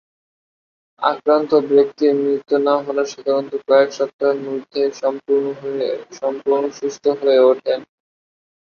আক্রান্ত ব্যক্তির মৃত্যু না হলে সাধারণত কয়েক সপ্তাহের মধ্যেই সম্পূর্ণ সুস্থ হয়ে ওঠেন।